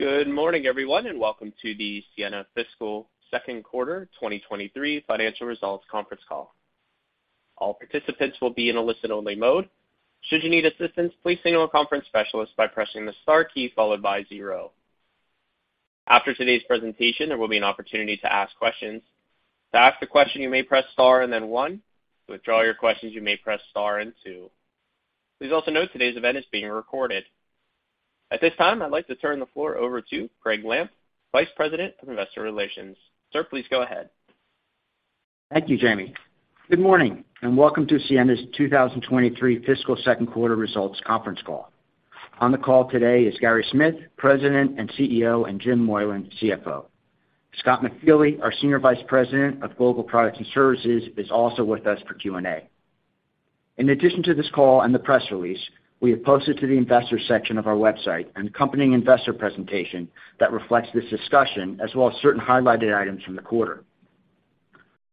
Good morning, everyone, and welcome to the Ciena Fiscal Second Quarter 2023 Financial Results conference call. All participants will be in a listen-only mode. Should you need assistance, please signal a conference specialist by pressing the star key followed by 0. After today's presentation, there will be an opportunity to ask questions. To ask a question, you may press star, and then 1. To withdraw your questions, you may press star and 2. Please also note today's event is being recorded. At this time, I'd like to turn the floor over to Gregg Lampf, Vice President of Investor Relations. Sir, please go ahead. Thank you, Jamie. Good morning, and welcome to Ciena's 2023 fiscal second quarter results conference call. On the call today is Gary Smith, President and CEO, and Jim Moylan, CFO. Scott McFeely, our Senior Vice President of Global Products and Services, is also with us for Q&A. In addition to this call and the press release, we have posted to the investor section of our website, an accompanying investor presentation that reflects this discussion, as well as certain highlighted items from the quarter.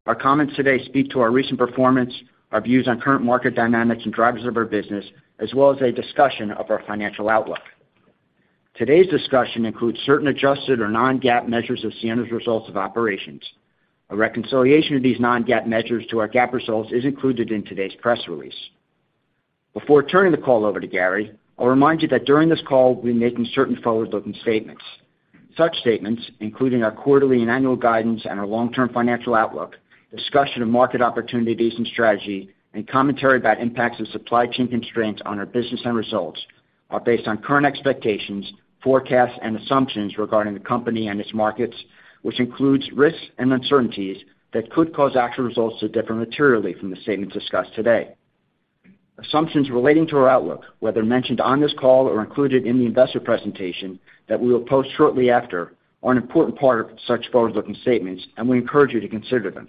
Our comments today speak to our recent performance, our views on current market dynamics and drivers of our business, as well as a discussion of our financial outlook. Today's discussion includes certain adjusted or non-GAAP measures of Ciena's results of operations. A reconciliation of these non-GAAP measures to our GAAP results is included in today's press release. Before turning the call over to Gary, I'll remind you that during this call, we'll be making certain forward-looking statements. Such statements, including our quarterly and annual guidance and our long-term financial outlook, discussion of market opportunities and strategy, and commentary about impacts of supply chain constraints on our business and results, are based on current expectations, forecasts, and assumptions regarding the company and its markets, which includes risks and uncertainties that could cause actual results to differ materially from the statements discussed today. Assumptions relating to our outlook, whether mentioned on this call or included in the investor presentation that we will post shortly after, are an important part of such forward-looking statements, and we encourage you to consider them.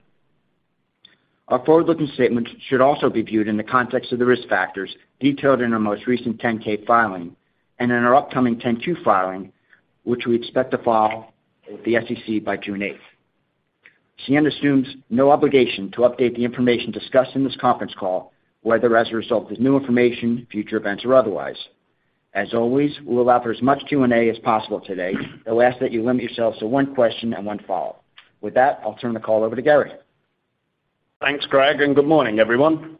Our forward-looking statements should also be viewed in the context of the risk factors detailed in our most recent 10-K filing and in our upcoming 10-Q filing, which we expect to file with the SEC by June eighth. Ciena assumes no obligation to update the information discussed in this conference call, whether as a result of new information, future events, or otherwise. As always, we'll allow for as much Q&A as possible today, though I ask that you limit yourselves to one question and one follow-up. With that, I'll turn the call over to Gary. Thanks, Greg. Good morning, everyone.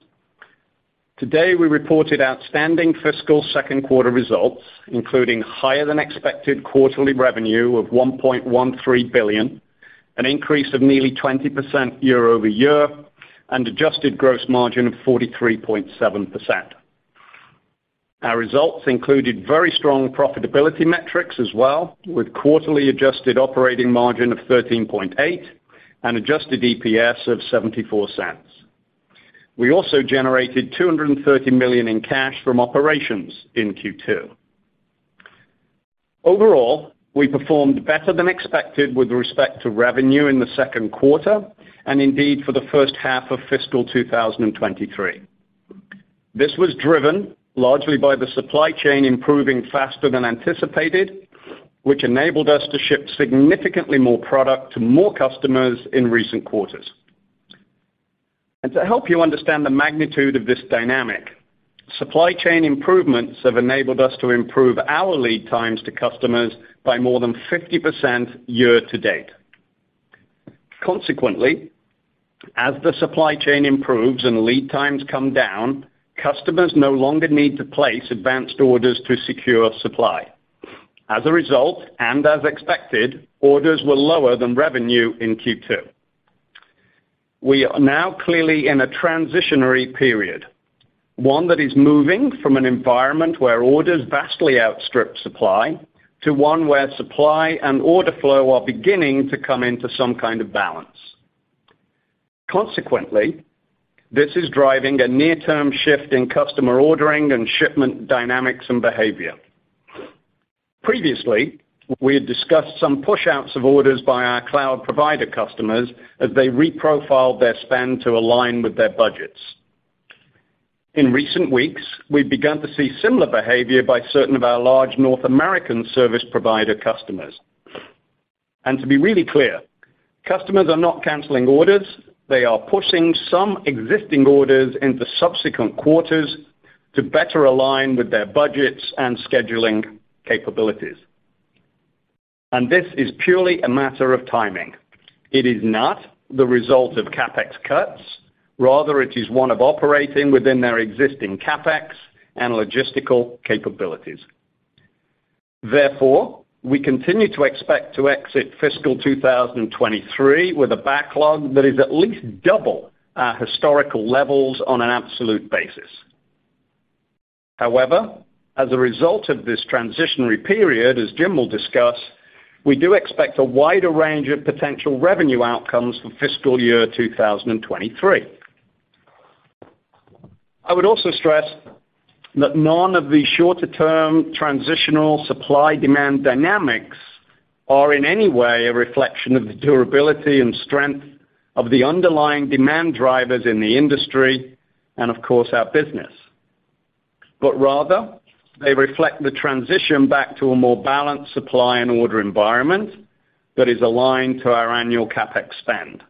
Today, we reported outstanding fiscal second quarter results, including higher than expected quarterly revenue of $1.13 billion, an increase of nearly 20% year-over-year, and adjusted gross margin of 43.7%. Our results included very strong profitability metrics as well, with quarterly adjusted operating margin of 13.8% and adjusted EPS of $0.74. We also generated $230 million in cash from operations in Q2. Overall, we performed better than expected with respect to revenue in the second quarter and indeed for the first half of fiscal 2023. This was driven largely by the supply chain improving faster than anticipated, which enabled us to ship significantly more product to more customers in recent quarters. To help you understand the magnitude of this dynamic, supply chain improvements have enabled us to improve our lead times to customers by more than 50% year to date. Consequently, as the supply chain improves and lead times come down, customers no longer need to place advanced orders to secure supply. As a result, and as expected, orders were lower than revenue in Q2. We are now clearly in a transitionary period, one that is moving from an environment where orders vastly outstrip supply, to one where supply and order flow are beginning to come into some kind of balance. Consequently, this is driving a near-term shift in customer ordering and shipment dynamics and behavior. Previously, we had discussed some pushouts of orders by our cloud provider customers as they reprofiled their spend to align with their budgets. In recent weeks, we've begun to see similar behavior by certain of our large North American service provider customers. To be really clear, customers are not canceling orders. They are pushing some existing orders into subsequent quarters to better align with their budgets and scheduling capabilities. This is purely a matter of timing. It is not the result of CapEx cuts. Rather, it is one of operating within their existing CapEx and logistical capabilities. Therefore, we continue to expect to exit fiscal 2023 with a backlog that is at least double our historical levels on an absolute basis. However, as a result of this transitionary period, as Jim will discuss, we do expect a wider range of potential revenue outcomes for fiscal year 2023. I would also stress that none of the shorter-term transitional supply-demand dynamics are in any way a reflection of the durability and strength of the underlying demand drivers in the industry and, of course, our business. Rather, they reflect the transition back to a more balanced supply and order environment that is aligned to our annual CapEx spend.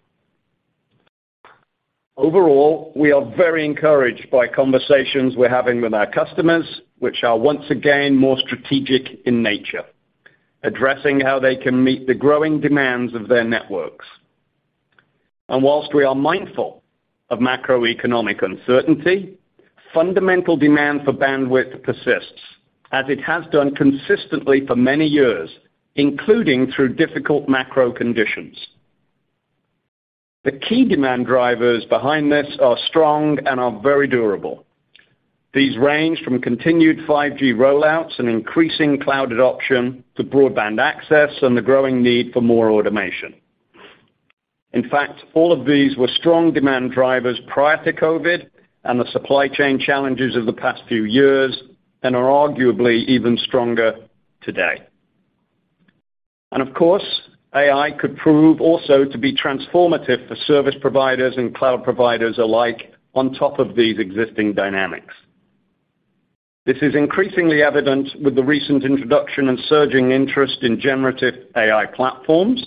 Overall, we are very encouraged by conversations we're having with our customers, which are once again, more strategic in nature, addressing how they can meet the growing demands of their networks. Whilst we are mindful of macroeconomic uncertainty, fundamental demand for bandwidth persists, as it has done consistently for many years, including through difficult macro conditions. The key demand drivers behind this are strong and are very durable. These range from continued 5G rollouts and increasing cloud adoption to broadband access and the growing need for more automation. In fact, all of these were strong demand drivers prior to COVID and the supply chain challenges of the past few years, and are arguably even stronger today. Of course, AI could prove also to be transformative for service providers and cloud providers alike on top of these existing dynamics. This is increasingly evident with the recent introduction and surging interest in generative AI platforms,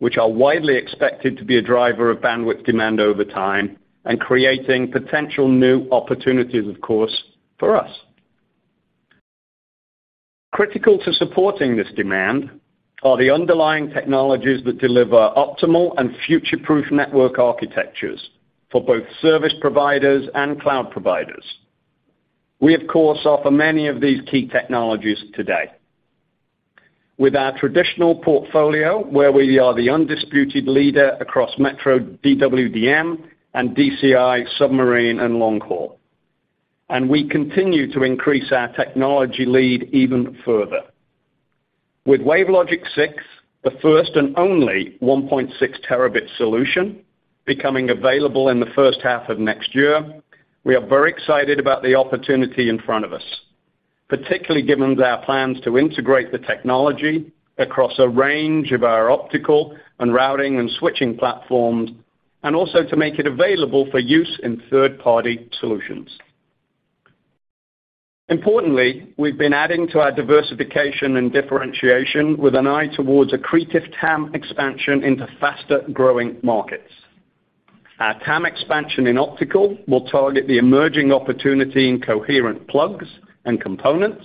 which are widely expected to be a driver of bandwidth demand over time and creating potential new opportunities, of course, for us. Critical to supporting this demand are the underlying technologies that deliver optimal and future-proof network architectures for both service providers and cloud providers. We, of course, offer many of these key technologies today. With our traditional portfolio, where we are the undisputed leader across metro DWDM and DCI, submarine, and long haul, and we continue to increase our technology lead even further. With WaveLogic 6, the first and only 1.6 terabit solution, becoming available in the first half of next year, we are very excited about the opportunity in front of us, particularly given our plans to integrate the technology across a range of our optical and routing and switching platforms, and also to make it available for use in third-party solutions. Importantly, we've been adding to our diversification and differentiation with an eye towards accretive TAM expansion into faster-growing markets. Our TAM expansion in optical will target the emerging opportunity in coherent plugs and components,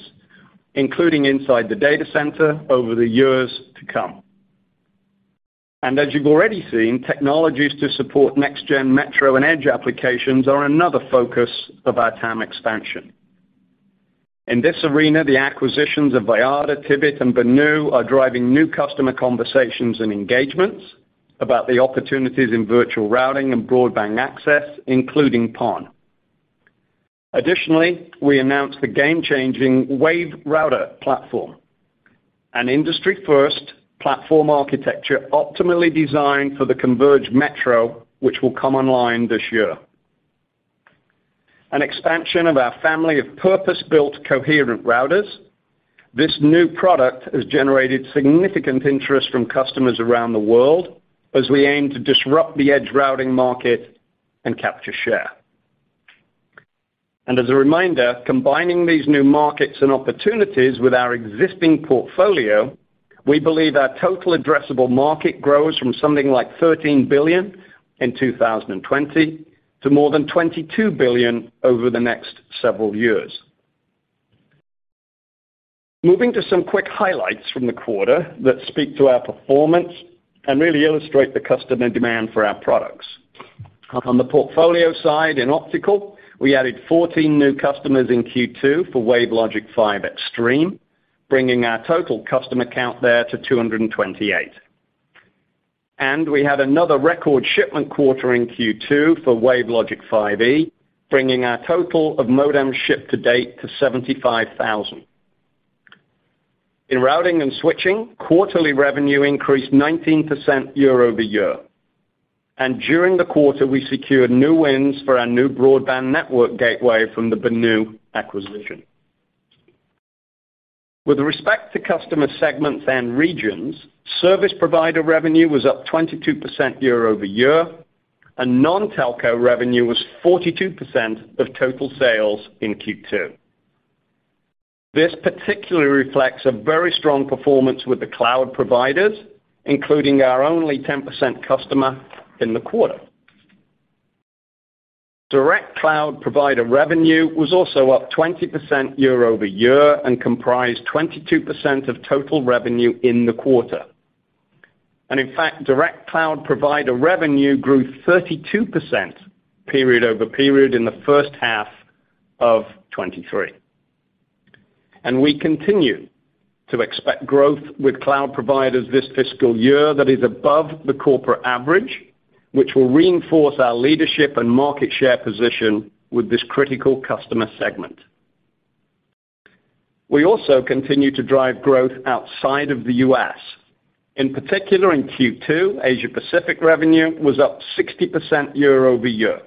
including inside the data center over the years to come. As you've already seen, technologies to support next-gen metro and edge applications are another focus of our TAM expansion. In this arena, the acquisitions of Viavi, Tibit, and Benu are driving new customer conversations and engagements about the opportunities in virtual routing and broadband access, including PON. We announced the game-changing WaveRouter platform, an industry-first platform architecture optimally designed for the converged metro, which will come online this year. An expansion of our family of purpose-built coherent routers, this new product has generated significant interest from customers around the world as we aim to disrupt the edge routing market and capture share. As a reminder, combining these new markets and opportunities with our existing portfolio, we believe our total addressable market grows from something like $13 billion in 2020 to more than $22 billion over the next several years. Moving to some quick highlights from the quarter that speak to our performance and really illustrate the customer demand for our products. On the portfolio side, in optical, we added 14 new customers in Q2 for WaveLogic 5 Extreme, bringing our total customer count there to 228. We had another record shipment quarter in Q2 for WaveLogic 5e, bringing our total of modem shipped to date to 75,000. In routing and switching, quarterly revenue increased 19% year-over-year, and during the quarter, we secured new wins for our new Broadband Network Gateway from the Benu acquisition. With respect to customer segments and regions, service provider revenue was up 22% year-over-year, and non-telco revenue was 42% of total sales in Q2. This particularly reflects a very strong performance with the cloud providers, including our only 10% customer in the quarter. Direct cloud provider revenue was also up 20% year-over-year and comprised 22% of total revenue in the quarter. In fact, direct cloud provider revenue grew 32% period-over-period in the first half of 2023. We continue to expect growth with cloud providers this fiscal year that is above the corporate average, which will reinforce our leadership and market share position with this critical customer segment. We also continue to drive growth outside of the U.S. In particular, in Q2, Asia Pacific revenue was up 60% year-over-year.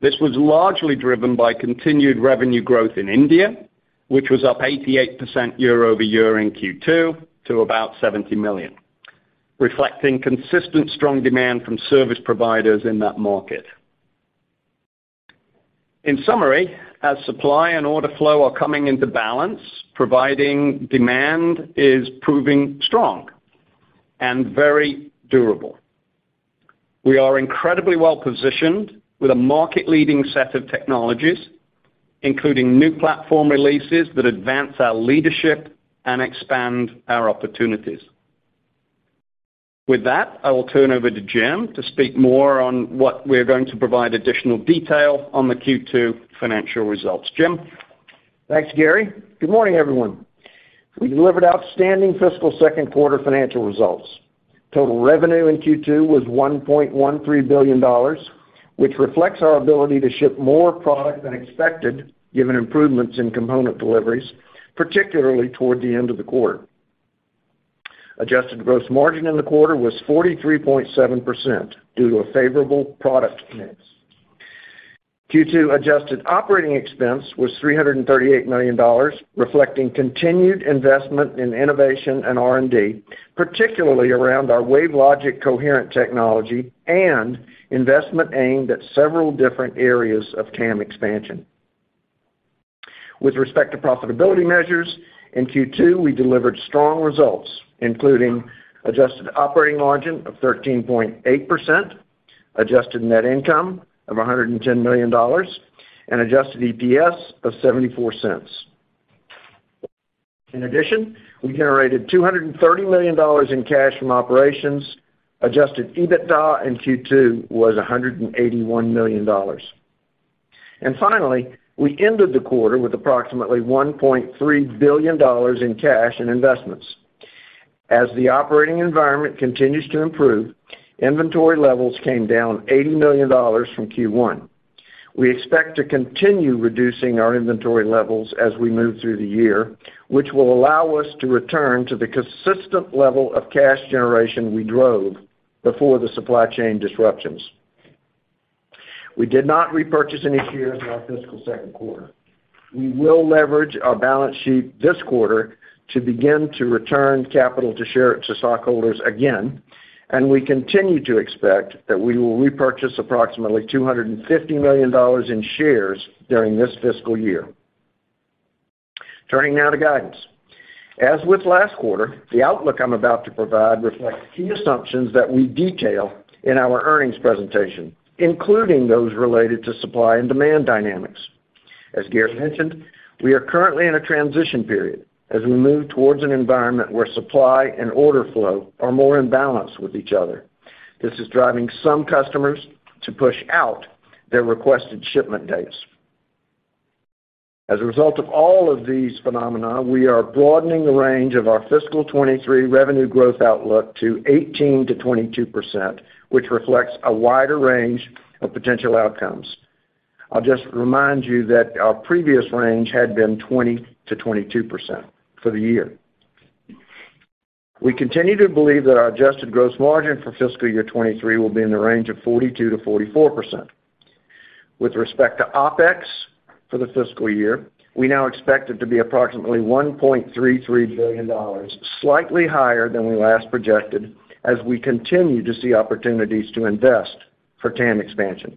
This was largely driven by continued revenue growth in India, which was up 88% year-over-year in Q2 to about $70 million, reflecting consistent strong demand from service providers in that market...In summary, as supply and order flow are coming into balance, providing demand is proving strong and very durable. We are incredibly well-positioned with a market-leading set of technologies, including new platform releases that advance our leadership and expand our opportunities. With that, I will turn over to Jim to speak more on what we're going to provide additional detail on the Q2 financial results. Jim? Thanks, Gary. Good morning, everyone. We delivered outstanding fiscal second quarter financial results. Total revenue in Q2 was $1.13 billion, which reflects our ability to ship more product than expected, given improvements in component deliveries, particularly toward the end of the quarter. Adjusted gross margin in the quarter was 43.7% due to a favorable product mix. Q2 adjusted operating expense was $338 million, reflecting continued investment in innovation and R&D, particularly around our WaveLogic coherent technology and investment aimed at several different areas of TAM expansion. With respect to profitability measures, in Q2, we delivered strong results, including adjusted operating margin of 13.8%, adjusted net income of $110 million, and adjusted EPS of $0.74. In addition, we generated $230 million in cash from operations. Adjusted EBITDA in Q2 was $181 million. Finally, we ended the quarter with approximately $1.3 billion in cash and investments. As the operating environment continues to improve, inventory levels came down $80 million from Q1. We expect to continue reducing our inventory levels as we move through the year, which will allow us to return to the consistent level of cash generation we drove before the supply chain disruptions. We did not repurchase any shares in our fiscal second quarter. We will leverage our balance sheet this quarter to begin to return capital to stockholders again, and we continue to expect that we will repurchase approximately $250 million in shares during this fiscal year. Turning now to guidance. As with last quarter, the outlook I'm about to provide reflects key assumptions that we detail in our earnings presentation, including those related to supply and demand dynamics. As Gary mentioned, we are currently in a transition period as we move towards an environment where supply and order flow are more in balance with each other. This is driving some customers to push out their requested shipment dates. As a result of all of these phenomena, we are broadening the range of our fiscal 2023 revenue growth outlook to 18%-22%, which reflects a wider range of potential outcomes. I'll just remind you that our previous range had been 20%-22% for the year. We continue to believe that our adjusted gross margin for fiscal year 2023 will be in the range of 42%-44%. With respect to OpEx for the fiscal year, we now expect it to be approximately $1.33 billion, slightly higher than we last projected, as we continue to see opportunities to invest for TAM expansion.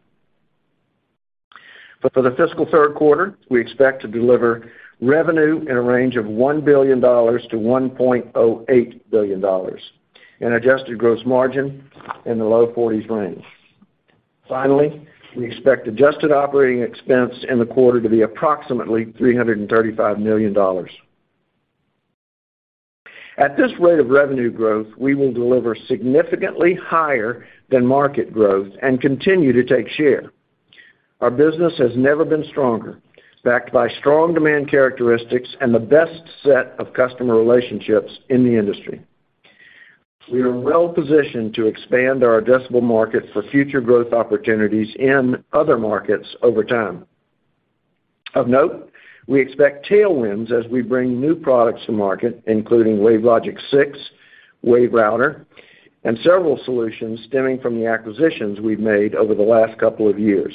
For the fiscal third quarter, we expect to deliver revenue in a range of $1 billion-$1.08 billion and adjusted gross margin in the low 40s range. Finally, we expect adjusted operating expense in the quarter to be approximately $335 million. At this rate of revenue growth, we will deliver significantly higher than market growth and continue to take share. Our business has never been stronger, backed by strong demand characteristics and the best set of customer relationships in the industry. We are well positioned to expand our addressable market for future growth opportunities in other markets over time. Of note, we expect tailwinds as we bring new products to market, including WaveLogic 6, WaveRouter, and several solutions stemming from the acquisitions we've made over the last couple of years.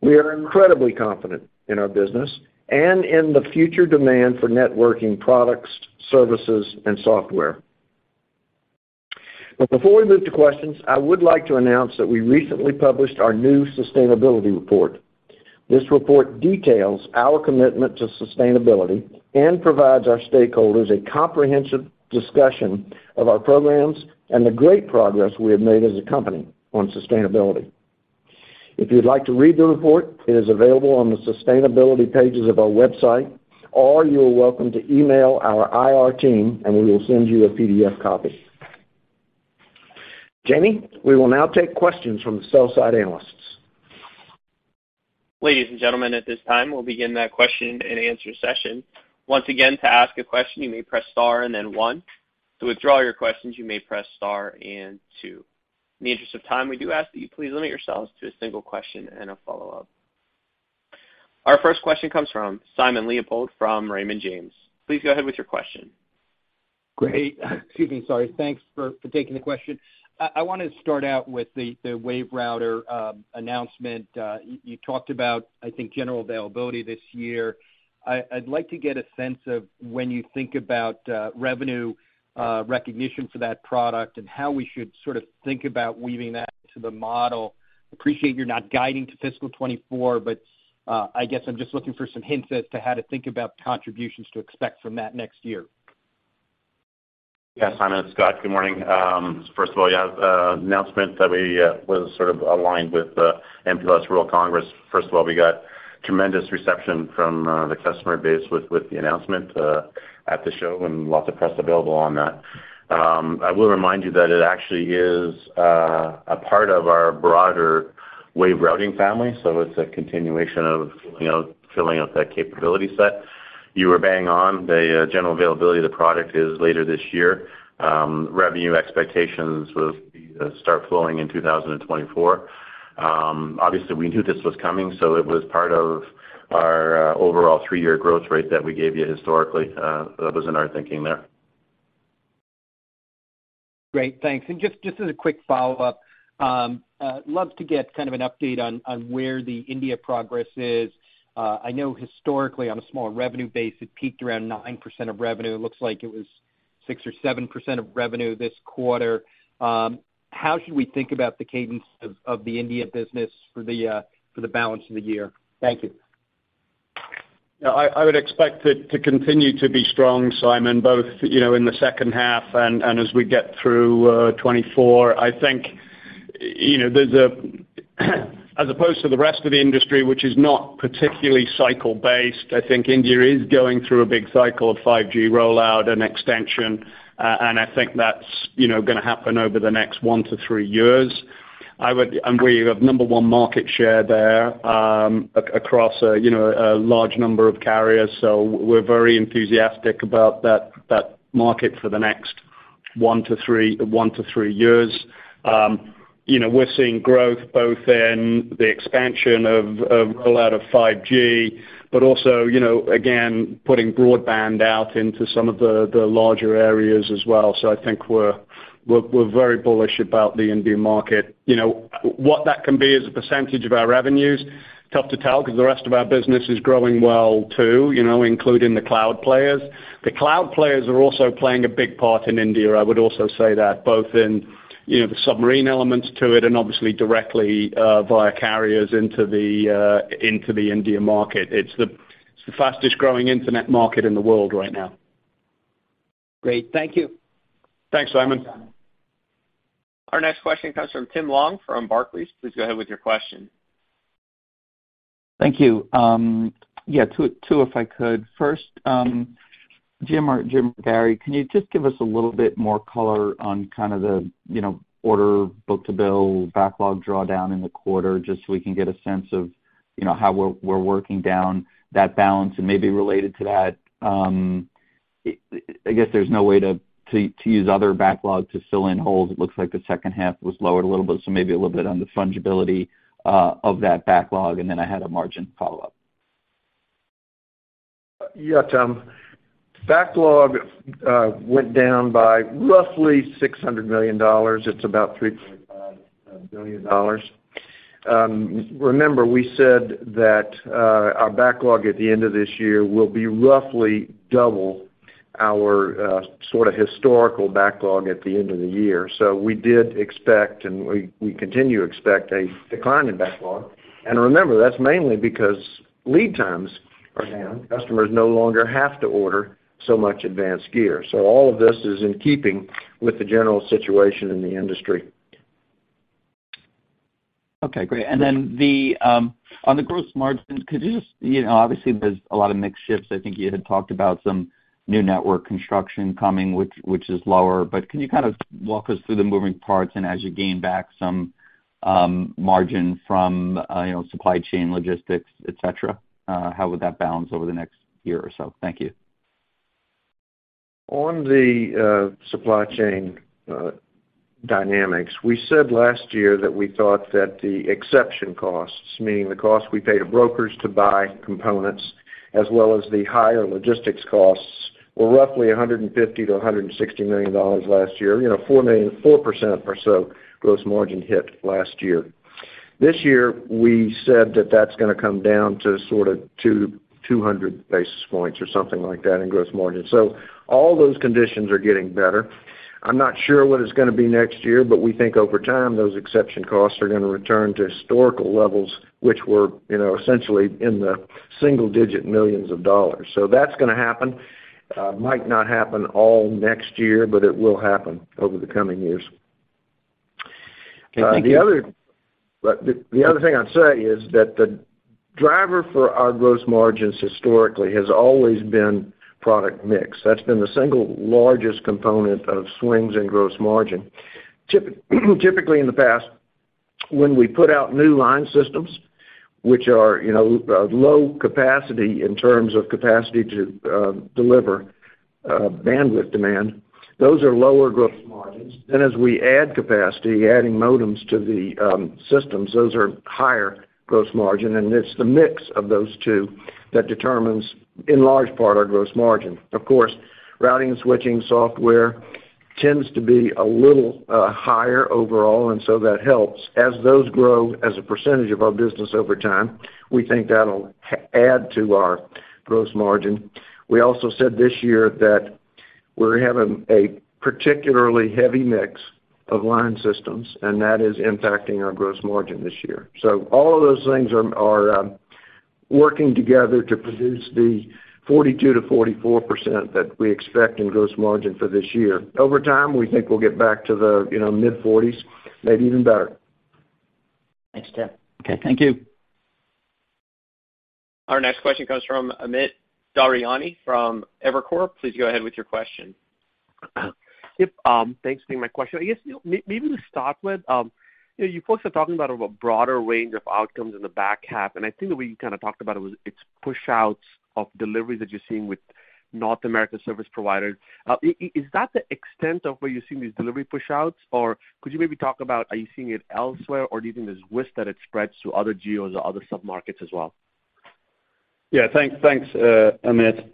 We are incredibly confident in our business and in the future demand for networking products, services, and software. Before we move to questions, I would like to announce that we recently published our new sustainability report. This report details our commitment to sustainability and provides our stakeholders a comprehensive discussion of our programs and the great progress we have made as a company on sustainability. If you'd like to read the report, it is available on the sustainability pages of our website, or you are welcome to email our IR team, and we will send you a PDF copy. Jamie, we will now take questions from the sell-side analysts. Ladies and gentlemen, at this time, we'll begin that question-and-answer session. Once again, to ask a question, you may press Star and then One. To withdraw your questions, you may press Star and Two. In the interest of time, we do ask that you please limit yourselves to a single question and a follow-up. Our first question comes from Simon Leopold from Raymond James. Please go ahead with your question. Great. Excuse me, sorry. Thanks for taking the question. I want to start out with the WaveRouter announcement. You talked about, I think, general availability this year. I'd like to get a sense of when you think about revenue recognition for that product and how we should sort of think about weaving that into the model. Appreciate you're not guiding to fiscal 2024, but I guess I'm just looking for some hints as to how to think about contributions to expect from that next year. Yeah, Simon, it's Scott. Good morning. First of all, yeah, the announcement that we was sort of aligned with M+ World Congress. First of all, we got tremendous reception from the customer base with the announcement at the show. Lots of press available on that. I will remind you that it actually is a part of our broader wave routing family, it's a continuation of, you know, filling out that capability set. You were bang on, the general availability of the product is later this year. Revenue expectations will be start flowing in 2024. We knew this was coming, so it was part of our overall three-year growth rate that we gave you historically. That was in our thinking there. Great, thanks. Just as a quick follow-up, love to get kind of an update on where the India progress is. I know historically, on a small revenue base, it peaked around 9% of revenue. It looks like it was 6% or 7% of revenue this quarter. How should we think about the cadence of the India business for the balance of the year? Thank you. Yeah, I would expect it to continue to be strong, Simon, both, you know, in the second half and as we get through 2024. I think, you know, there's a, as opposed to the rest of the industry, which is not particularly cycle-based, I think India is going through a big cycle of 5G rollout and extension, and I think that's, you know, gonna happen over the next one to three years. We have number one market share there, across a, you know, a large number of carriers, so we're very enthusiastic about that market for the next one to three years. You know, we're seeing growth both in the expansion of rollout of 5G, but also, you know, again, putting broadband out into some of the larger areas as well. I think we're very bullish about the India market. You know, what that can be as a percentage of our revenues, tough to tell, 'cause the rest of our business is growing well, too, you know, including the cloud players. The cloud players are also playing a big part in India. I would also say that, both in, you know, the submarine elements to it, and obviously directly, via carriers into the, into the India market. It's the fastest growing internet market in the world right now. Great. Thank you. Thanks, Simon. Our next question comes from Tim Long from Barclays. Please go ahead with your question. Thank you. two if I could. First, Jim or Jim Moylan, can you just give us a little bit more color on kind of the, you know, order book-to-bill backlog drawdown in the quarter, just so we can get a sense of, you know, how we're working down that balance? Maybe related to that, I guess there's no way to use other backlog to fill in holes. It looks like the second half was lowered a little bit, so maybe a little bit on the fungibility of that backlog. Then I had a margin follow-up. Yeah, Tim. Backlog went down by roughly $600 million. It's about $3.5 billion. Remember, we said that our backlog at the end of this year will be roughly double our sort of historical backlog at the end of the year. We did expect, and we continue to expect, a decline in backlog. Remember, that's mainly because lead times are down. Customers no longer have to order so much advanced gear. All of this is in keeping with the general situation in the industry. Okay, great. Then on the gross margins, you know, obviously, there's a lot of mix shifts. I think you had talked about some new network construction coming, which is lower. Can you kind of walk us through the moving parts, and as you gain back some margin from, you know, supply chain, logistics, et cetera, how would that balance over the next year or so? Thank you. On the supply chain dynamics, we said last year that we thought that the exception costs, meaning the costs we pay to brokers to buy components, as well as the higher logistics costs, were roughly $150 million-$160 million last year. You know, 4% or so gross margin hit last year. This year, we said that that's gonna come down to sort of 200 basis points or something like that in gross margin. All those conditions are getting better. I'm not sure what it's gonna be next year, but we think over time, those exception costs are gonna return to historical levels, which were, you know, essentially in the single-digit millions of dollars. That's gonna happen. It might not happen all next year, but it will happen over the coming years. Okay, thank you. The other thing I'd say is that the driver for our gross margins historically has always been product mix. That's been the single largest component of swings in gross margin. Typically, in the past, when we put out new line systems, which are, you know, low capacity in terms of capacity to deliver bandwidth demand, those are lower gross margins. As we add capacity, adding modems to the systems, those are higher gross margin, and it's the mix of those two that determines, in large part, our gross margin. Of course, routing, switching, software tends to be a little higher overall. That helps. As those grow as a percentage of our business over time, we think that'll add to our gross margin. We also said this year that we're having a particularly heavy mix of line systems, that is impacting our gross margin this year. All of those things are working together to produce the 42%-44% that we expect in gross margin for this year. Over time, we think we'll get back to the, you know, mid-forties, maybe even better. Thanks, Tim. Okay, thank you. Our next question comes from Amit Daryanani from Evercore. Please go ahead with your question. Yep, thanks for taking my question. I guess, maybe to start with, you know, you folks are talking about a broader range of outcomes in the back half. I think the way you kind of talked about it was it's pushouts of deliveries that you're seeing with North American service providers. is that the extent of where you're seeing these delivery pushouts, or could you maybe talk about, are you seeing it elsewhere, or do you think there's risk that it spreads to other geos or other submarkets as well? Thanks, Amit.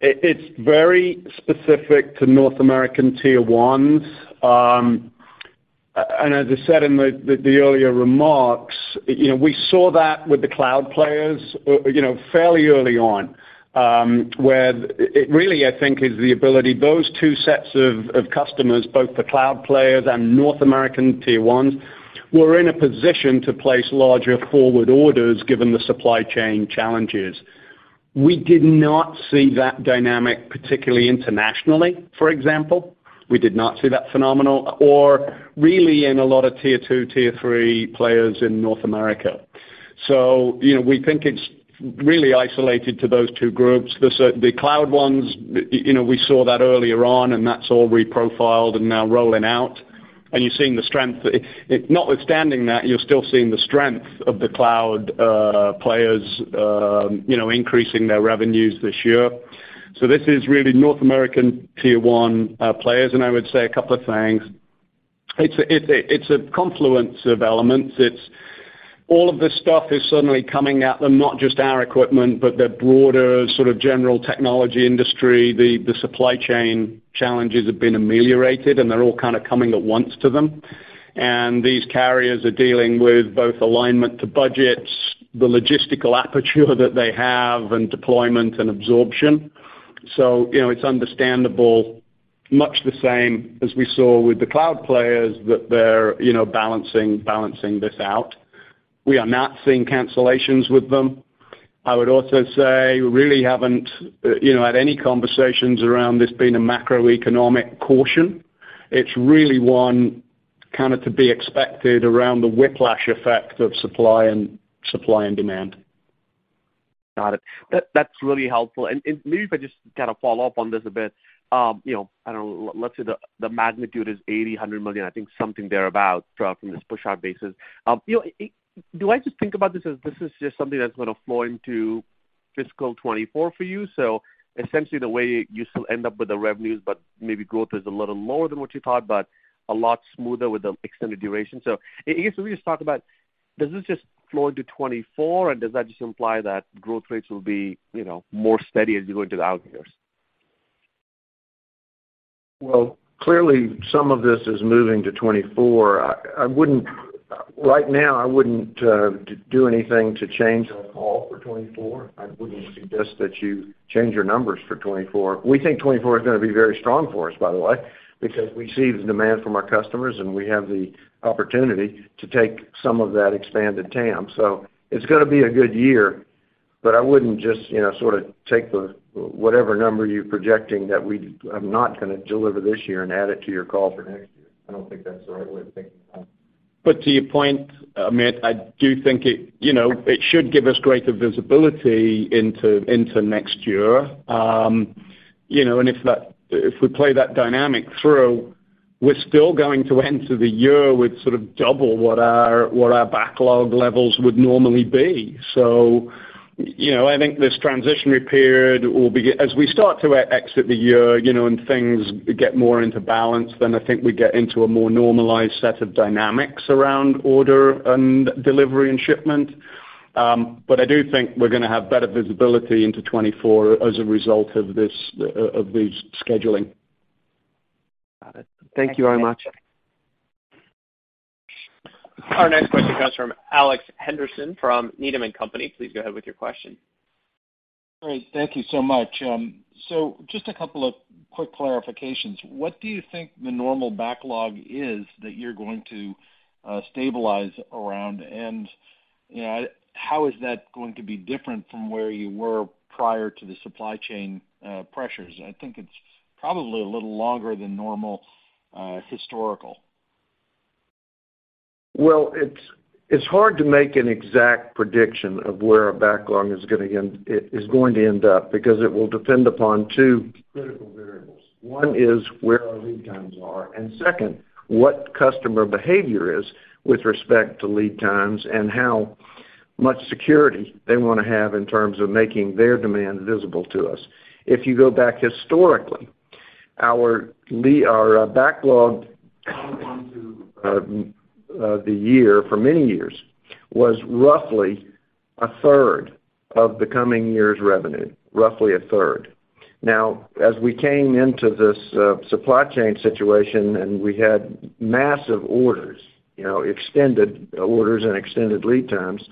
It's very specific to North American Tier ones. As I said in the earlier remarks, you know, we saw that with the cloud players, you know, fairly early on. Where it really, I think, is the ability, those two sets of customers, both the cloud players and North American Tier ones, were in a position to place larger forward orders given the supply chain challenges. We did not see that dynamic, particularly internationally, for example. We did not see that phenomenon or really in a lot of Tier two, Tier three players in North America. You know, we think it's really isolated to those two groups. The cloud ones, you know, we saw that earlier on, and that's all reprofiled and now rolling out, and you're seeing the strength. Notwithstanding that, you're still seeing the strength of the cloud players, you know, increasing their revenues this year. This is really North American Tier 1 players, and I would say a couple of things. It's a, it's a, it's a confluence of elements. It's all of this stuff is suddenly coming at them, not just our equipment, but the broader sort of general technology industry. The supply chain challenges have been ameliorated, and they're all kind of coming at once to them. These carriers are dealing with both alignment to budgets, the logistical aperture that they have, and deployment and absorption. You know, it's understandable, much the same as we saw with the cloud players, that they're, you know, balancing this out. We are not seeing cancellations with them. I would also say we really haven't, you know, had any conversations around this being a macroeconomic caution. It's really one kind of to be expected around the whiplash effect of supply and demand. Got it. That's really helpful. Maybe if I just kind of follow up on this a bit, you know, I don't know, let's say the magnitude is $80 million-$100 million, I think something thereabout from this push out basis. you know, do I just think about this as this is just something that's going to flow into fiscal 2024 for you? Essentially, the way you still end up with the revenues, but maybe growth is a little lower than what you thought, but a lot smoother with the extended duration. I guess, let me just talk about, does this just flow into 2024, and does that just imply that growth rates will be, you know, more steady as you go into the out years? Well, clearly, some of this is moving to 2024. I wouldn't right now, I wouldn't do anything to change our call for 2024. I wouldn't suggest that you change your numbers for 2024. We think 2024 is going to be very strong for us, by the way, because we see the demand from our customers, and we have the opportunity to take some of that expanded TAM. It's going to be a good year, but I wouldn't just, you know, sort of take the, whatever number you're projecting that I'm not going to deliver this year and add it to your call for next year. I don't think that's the right way of thinking about it. To your point, Amit, I do think it, you know, it should give us greater visibility into next year. You know, if that, if we play that dynamic through, we're still going to enter the year with sort of double what our backlog levels would normally be. You know, I think this transitionary period will be, as we start to exit the year, you know, and things get more into balance, then I think we get into a more normalized set of dynamics around order and delivery and shipment. I do think we're going to have better visibility into 2024 as a result of this scheduling. Got it. Thank you very much. Our next question comes from Alex Henderson from Needham & Company. Please go ahead with your question. Great. Thank you so much. Just a couple of quick clarifications. What do you think the normal backlog is that you're going to stabilize around? You know, how is that going to be different from where you were prior to the supply chain pressures? I think it's probably a little longer than normal historical. Well, it's hard to make an exact prediction of where our backlog is going to end up, because it will depend upon two critical variables. One is where our lead times are. Second, what customer behavior is with respect to lead times and how much security they want to have in terms of making their demand visible to us. If you go back historically, our backlog coming into the year for many years was roughly... a third of the coming year's revenue, roughly a third. As we came into this, supply chain situation, and we had massive orders, you know, extended orders and extended lead times,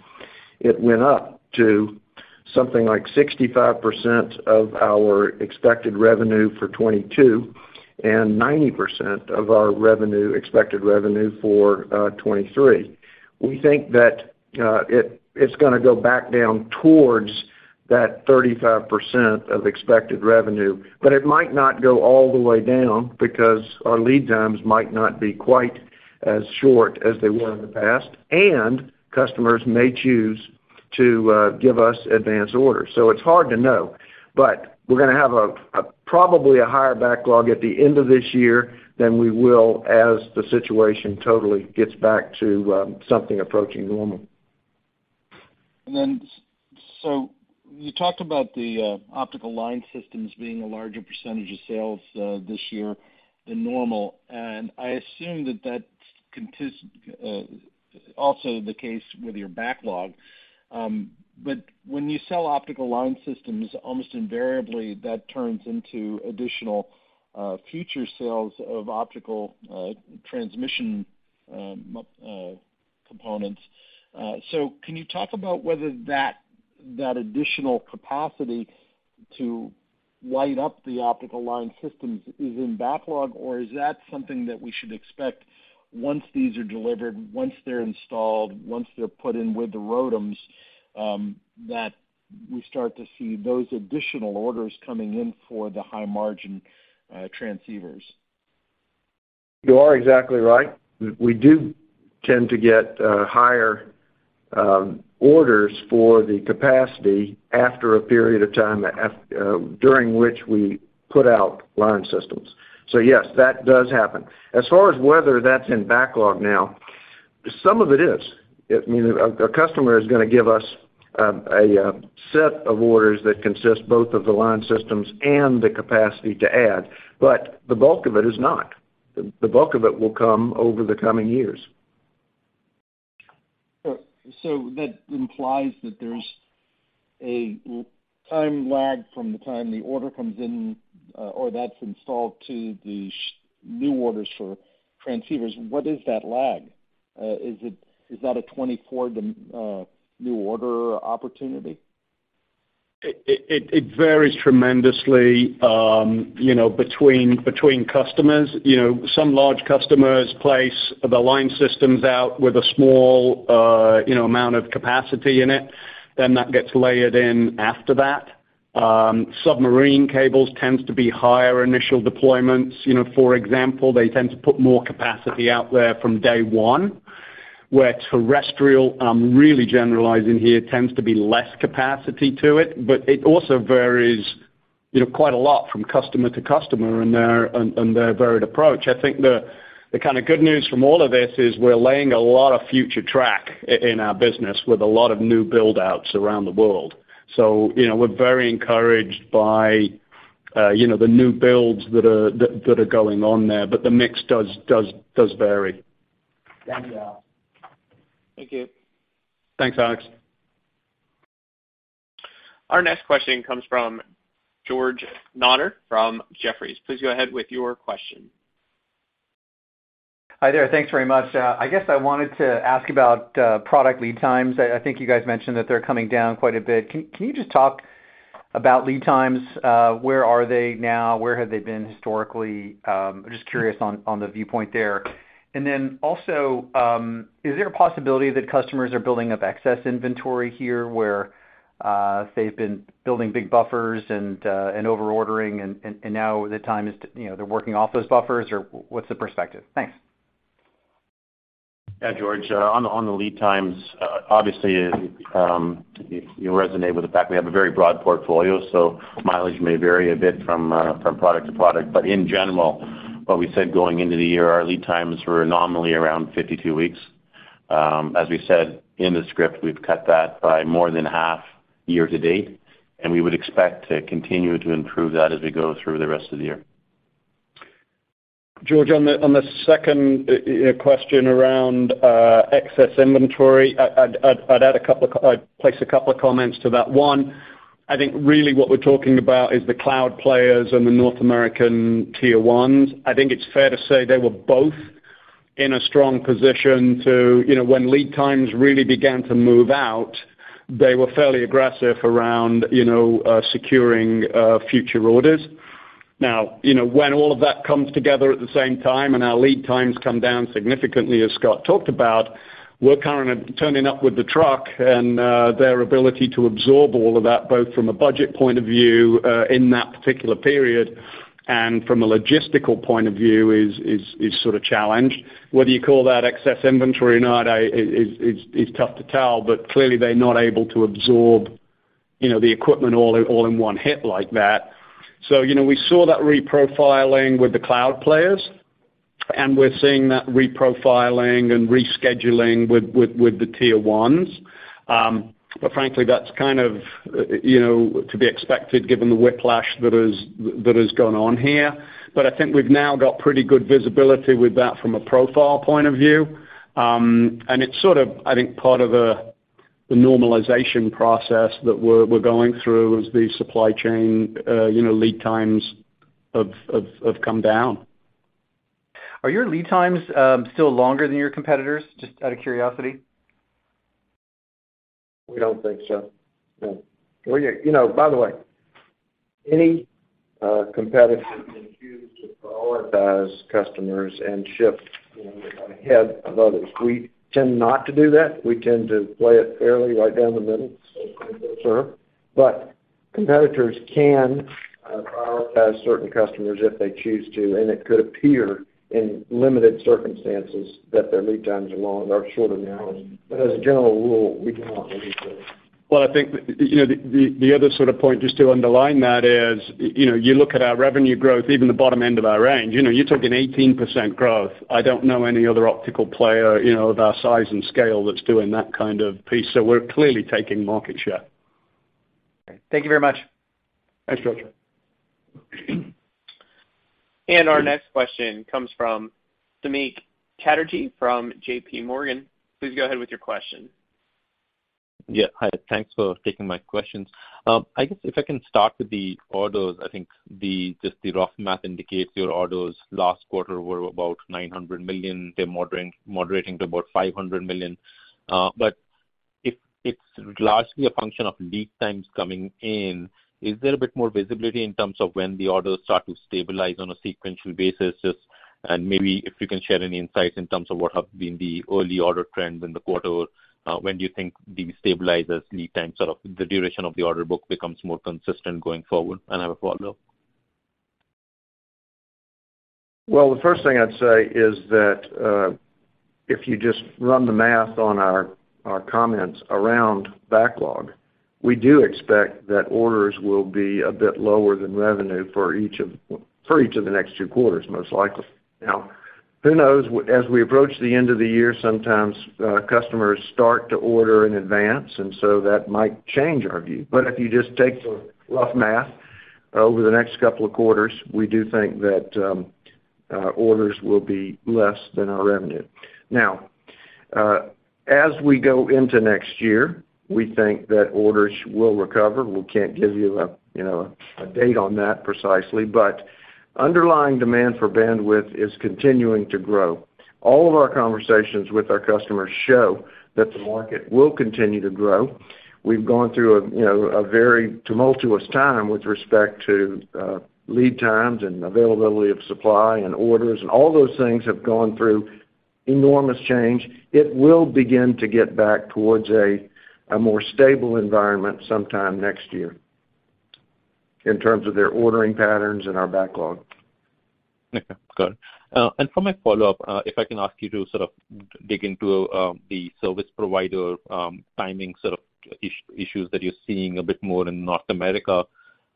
it went up to something like 65% of our expected revenue for 2022, and 90% of our revenue, expected revenue for, 2023. We think that, it's gonna go back down towards that 35% of expected revenue, but it might not go all the way down because our lead times might not be quite as short as they were in the past, and customers may choose to, give us advanced orders. It's hard to know, but we're gonna have a probably a higher backlog at the end of this year than we will as the situation totally gets back to, something approaching normal. You talked about the optical line systems being a larger percentage of sales this year than normal. I assume that that's also the case with your backlog. When you sell optical line systems, almost invariably, that turns into additional future sales of optical transmission components. Can you talk about whether that additional capacity to light up the optical line systems is in backlog, or is that something that we should expect once these are delivered, once they're installed, once they're put in with the ROADMs, that we start to see those additional orders coming in for the high-margin transceivers? You are exactly right. We do tend to get higher orders for the capacity after a period of time, during which we put out line systems. Yes, that does happen. As far as whether that's in backlog now, some of it is. I mean, a customer is gonna give us a set of orders that consist both of the line systems and the capacity to add, but the bulk of it is not. The bulk of it will come over the coming years. That implies that there's a time lag from the time the order comes in, or that's installed to the new orders for transceivers. What is that lag? Is that a 24 new order opportunity? It varies tremendously, you know, between customers. You know, some large customers place the line systems out with a small, you know, amount of capacity in it, then that gets layered in after that. Submarine cables tends to be higher initial deployments. You know, for example, they tend to put more capacity out there from day one, where terrestrial, I'm really generalizing here, tends to be less capacity to it. It also varies, you know, quite a lot from customer to customer and their varied approach. I think the kind of good news from all of this is we're laying a lot of future track in our business with a lot of new buildouts around the world. You know, we're very encouraged by, you know, the new builds that are going on there, but the mix does vary. Thank you. Thanks, Alex. Our next question comes from George Notter from Jefferies. Please go ahead with your question. Hi there. Thanks very much. I guess I wanted to ask about product lead times. I think you guys mentioned that they're coming down quite a bit. Can you just talk about lead times? Where are they now? Where have they been historically? I'm just curious on the viewpoint there. Also, is there a possibility that customers are building up excess inventory here, where they've been building big buffers and over ordering, and now the time is to, you know, they're working off those buffers, or what's the perspective? Thanks. Yeah, George, on the lead times, obviously, you resonate with the fact we have a very broad portfolio, so mileage may vary a bit from product to product. In general, what we said going into the year, our lead times were nominally around 52 weeks. As we said in the script, we've cut that by more than half year to date, we would expect to continue to improve that as we go through the rest of the year. George, on the second question around excess inventory, I'd place a couple of comments to that. One, I think really what we're talking about is the cloud players and the North American Tier 1s. I think it's fair to say they were both in a strong position to, you know, when lead times really began to move out, they were fairly aggressive around, you know, securing future orders. You know, when all of that comes together at the same time and our lead times come down significantly, as Scott talked about, we're currently turning up with the truck, and their ability to absorb all of that, both from a budget point of view in that particular period and from a logistical point of view, is sort of challenged. Whether you call that excess inventory or not, is tough to tell, but clearly, they're not able to absorb, you know, the equipment all in, all in one hit like that. You know, we saw that reprofiling with the cloud players, and we're seeing that reprofiling and rescheduling with the Tier ones. Frankly, that's kind of, you know, to be expected, given the whiplash that has gone on here. I think we've now got pretty good visibility with that from a profile point of view. It's sort of, I think, part of the normalization process that we're going through as the supply chain, you know, lead times have come down. Are your lead times, still longer than your competitors, just out of curiosity? We don't think so, no. We, you know, by the way, any competitor can choose to prioritize customers and ship, you know, ahead of others. We tend not to do that. We tend to play it fairly right down the middle, sir. Competitors can prioritize certain customers if they choose to, and it could appear in limited circumstances that their lead times are long or shorter than ours. As a general rule, we do not believe so. I think, you know, the other sort of point, just to underline that is, you know, you look at our revenue growth, even the bottom end of our range, you know, you're talking 18% growth. I don't know any other optical player, you know, of our size and scale that's doing that kind of piece, so we're clearly taking market share. Thank you very much. Thanks, George. Our next question comes from Samik Chatterjee from J.P. Morgan. Please go ahead with your question. Yeah. Hi, thanks for taking my questions. I guess if I can start with the orders, I think the, just the rough math indicates your orders last quarter were about $900 million. They're moderating to about $500 million. If it's largely a function of lead times coming in, is there a bit more visibility in terms of when the orders start to stabilize on a sequential basis? Just, and maybe if you can share any insights in terms of what have been the early order trends in the quarter, when do you think these stabilizers, lead times, sort of the duration of the order book becomes more consistent going forward? I have a follow-up. The first thing I'd say is that, if you just run the math on our comments around backlog, we do expect that orders will be a bit lower than revenue for each of the next two quarters, most likely. Who knows, as we approach the end of the year, sometimes customers start to order in advance, and so that might change our view. If you just take the rough math, over the next couple of quarters, we do think that orders will be less than our revenue. As we go into next year, we think that orders will recover. We can't give you a, you know, a date on that precisely, but underlying demand for bandwidth is continuing to grow. All of our conversations with our customers show that the market will continue to grow. We've gone through a, you know, a very tumultuous time with respect to lead times and availability of supply and orders. All those things have gone through enormous change. It will begin to get back towards a more stable environment sometime next year, in terms of their ordering patterns and our backlog. Okay, good. For my follow-up, if I can ask you to sort of dig into the service provider timing issues that you're seeing a bit more in North America.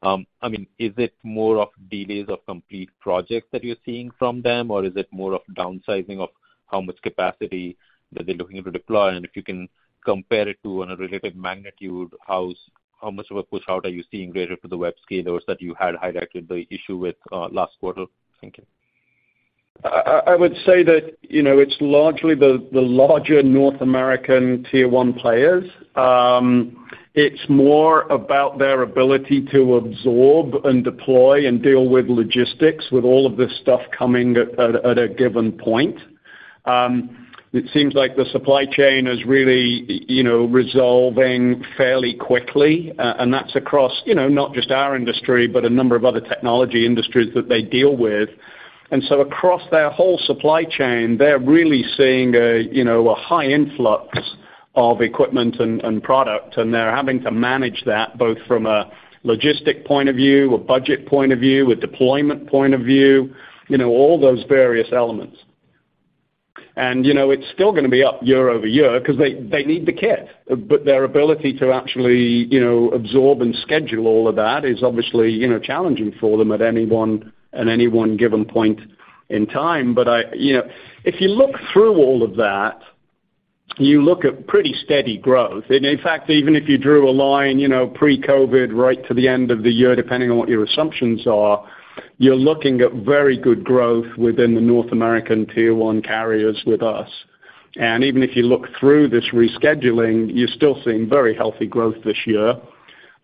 I mean, is it more of delays of complete projects that you're seeing from them, or is it more of downsizing of how much capacity that they're looking to deploy? If you can compare it to, on a relative magnitude, how much of a pushout are you seeing related to the web scalers that you had highlighted the issue with last quarter? Thank you. I would say that, you know, it's largely the larger North American Tier One players. It's more about their ability to absorb and deploy and deal with logistics, with all of this stuff coming at a given point. It seems like the supply chain is really, you know, resolving fairly quickly, and that's across, you know, not just our industry, but a number of other technology industries that they deal with. Across their whole supply chain, they're really seeing a, you know, a high influx of equipment and product, and they're having to manage that both from a logistic point of view, a budget point of view, a deployment point of view, you know, all those various elements. You know, it's still gonna be up year-over-year because they need the kit. Their ability to actually, you know, absorb and schedule all of that is obviously, you know, challenging for them at any one given point in time. I, you know, if you look through all of that, you look at pretty steady growth. In fact, even if you drew a line, you know, pre-COVID right to the end of the year, depending on what your assumptions are, you're looking at very good growth within the North American Tier One carriers with us. Even if you look through this rescheduling, you're still seeing very healthy growth this year.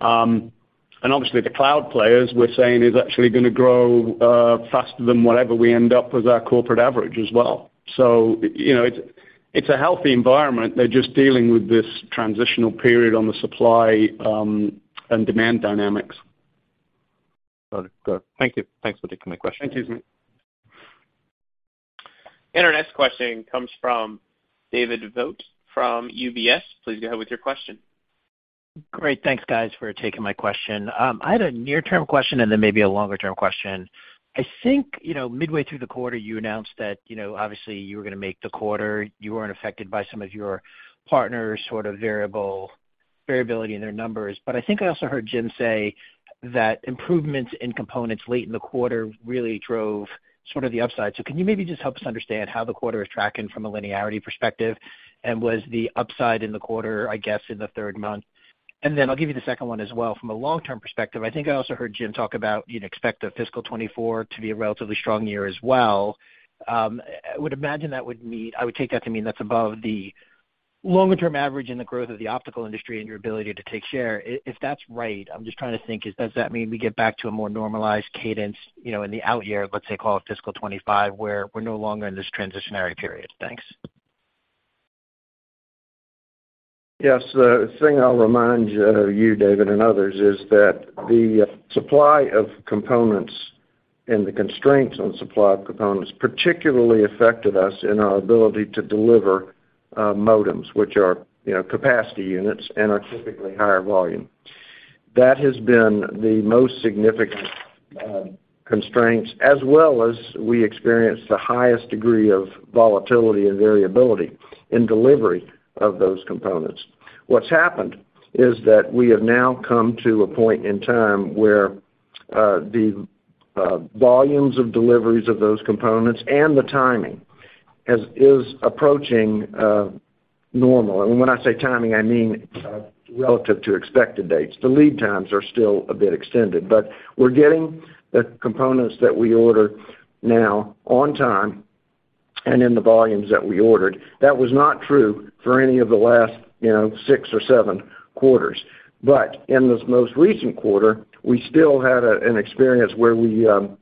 Obviously, the cloud players we're saying is actually gonna grow faster than whatever we end up with our corporate average as well. You know, it's a healthy environment. They're just dealing with this transitional period on the supply and demand dynamics. Got it. Good. Thank you. Thanks for taking my question. Thank you, Samik. Our next question comes from David Vogt from UBS. Please go ahead with your question. Great. Thanks, guys, for taking my question. I had a near-term question and then maybe a longer-term question. I think, you know, midway through the quarter, you announced that, you know, obviously you were gonna make the quarter. You weren't affected by some of your partners' sort of variable, variability in their numbers. I think I also heard Jim say that improvements in components late in the quarter really drove sort of the upside. Can you maybe just help us understand how the quarter is tracking from a linearity perspective? Was the upside in the quarter, I guess, in the third month? Then I'll give you the second one as well. From a long-term perspective, I think I also heard Jim talk about, you'd expect the fiscal 2024 to be a relatively strong year as well. I would imagine I would take that to mean that's above the. ... longer-term average in the growth of the optical industry and your ability to take share. If that's right, I'm just trying to think, does that mean we get back to a more normalized cadence, you know, in the out year, let's say, call it fiscal 2025, where we're no longer in this transitionary period? Thanks. Yes, the thing I'll remind you, David, and others, is that the supply of components and the constraints on supply of components particularly affected us in our ability to deliver, modems, which are, you know, capacity units and are typically higher volume. That has been the most significant constraints, as well as we experienced the highest degree of volatility and variability in delivery of those components. What's happened is that we have now come to a point in time where the volumes of deliveries of those components and the timing is approaching normal. When I say timing, I mean, relative to expected dates. The lead times are still a bit extended, but we're getting the components that we order now on time and in the volumes that we ordered. That was not true for any of the last, you know, six or seven quarters. In this most recent quarter, we still had an experience where we, you know,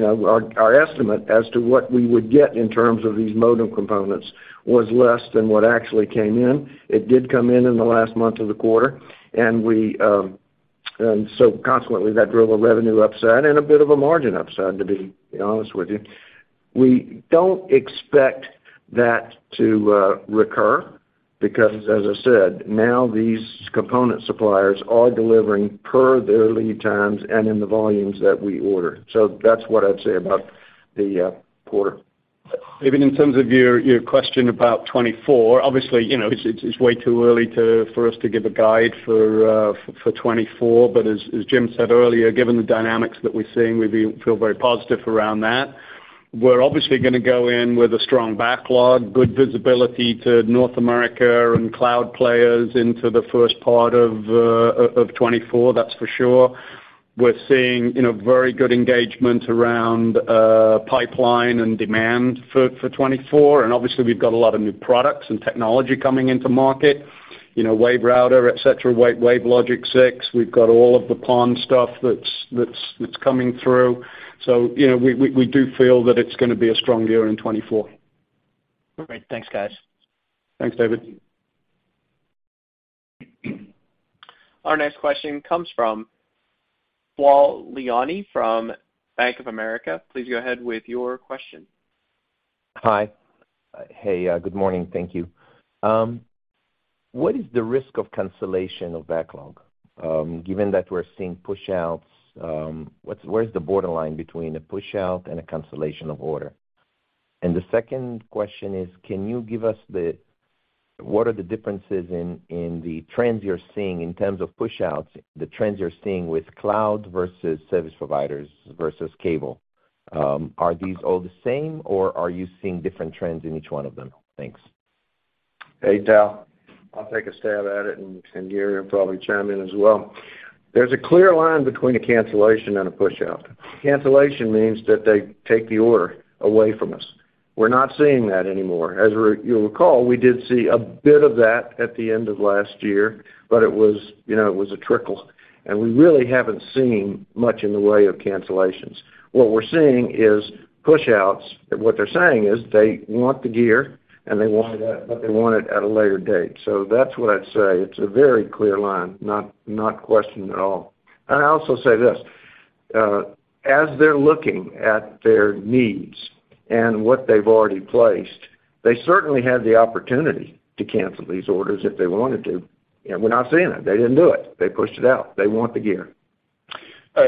our estimate as to what we would get in terms of these modem components was less than what actually came in. It did come in in the last month of the quarter, consequently, that drove a revenue upside and a bit of a margin upside, to be honest with you. We don't expect that to recur, because, as I said, now these component suppliers are delivering per their lead times and in the volumes that we order. That's what I'd say about the quarter. Even in terms of your question about 2024, obviously, you know, it's way too early for us to give a guide for 2024. As Jim said earlier, given the dynamics that we're seeing, we feel very positive around that. We're obviously gonna go in with a strong backlog, good visibility to North America and cloud players into the first part of 2024, that's for sure. We're seeing, you know, very good engagement around pipeline and demand for 2024, and obviously, we've got a lot of new products and technology coming into market, you know, WaveRouter, et cetera, WaveLogic 6. We've got all of the PON stuff that's coming through. You know, we do feel that it's gonna be a strong year in 2024. Great. Thanks, guys. Thanks, David. Our next question comes from Tal Liani from Bank of America. Please go ahead with your question. Hi. Hey, good morning. Thank you. What is the risk of cancellation of backlog, given that we're seeing pushouts, where's the borderline between a pushout and a cancellation of order? The second question is, can you give us the, what are the differences in the trends you're seeing in terms of pushouts, the trends you're seeing with cloud versus service providers versus cable? Are these all the same, or are you seeing different trends in each one of them? Thanks. Hey, Tal. I'll take a stab at it, and Gary will probably chime in as well. There's a clear line between a cancellation and a pushout. Cancellation means that they take the order away from us. We're not seeing that anymore. You'll recall, we did see a bit of that at the end of last year, but it was, you know, it was a trickle, and we really haven't seen much in the way of cancellations. What we're seeing is pushouts, and what they're saying is they want the gear, and they want it, but they want it at a later date. That's what I'd say. It's a very clear line, not questioned at all. I'd also say this, as they're looking at their needs and what they've already placed, they certainly have the opportunity to cancel these orders if they wanted to, and we're not seeing it. They didn't do it. They pushed it out. They want the gear.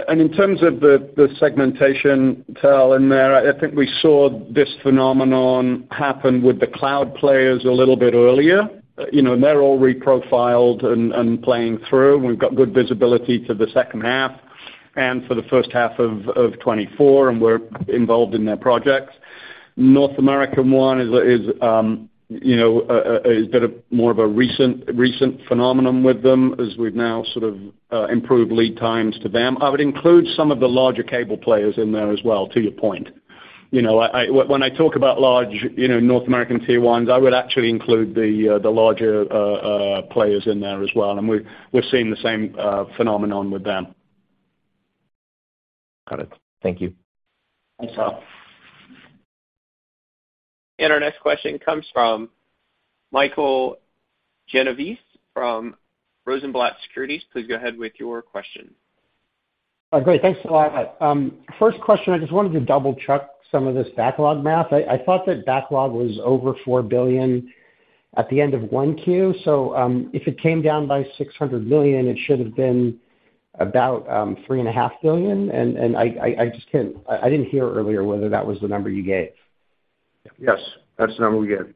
In terms of the segmentation, Tal, in there, I think we saw this phenomenon happen with the cloud players a little bit earlier. You know, they're all reprofiled and playing through. We've got good visibility to the second half and for the first half of 2024, and we're involved in their projects. North American one is, you know, is a bit of more of a recent phenomenon with them, as we've now sort of improved lead times to them. I would include some of the larger cable players in there as well, to your point. You know, when I talk about large, you know, North American tier ones, I would actually include the larger players in there as well, and we're seeing the same phenomenon with them. Got it. Thank you. Thanks, Tal. Our next question comes from Michael Genovese from Rosenblatt Securities. Please go ahead with your question. Great, thanks a lot. First question, I just wanted to double-check some of this backlog math. I thought that backlog was over $4 billion at the end of 1Q. If it came down by $600 million, it should have been about $3.5 billion. I just can't, I didn't hear earlier whether that was the number you gave. Yes, that's the number we gave.